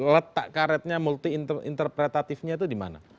letak karetnya multi interpretatifnya itu di mana